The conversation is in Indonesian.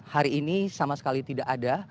hari ini sama sekali tidak ada